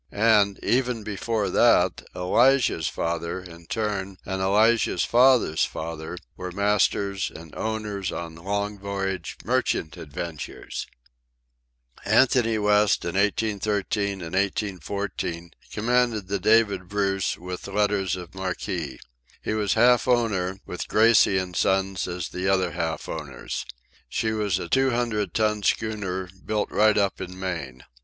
And, even before that, Elijah's father, in turn, and Elijah's father's father, were masters and owners on long voyage merchant adventures. "Anthony West, in 1813 and 1814, commanded the David Bruce, with letters of marque. He was half owner, with Gracie & Sons as the other half owners. She was a two hundred ton schooner, built right up in Maine.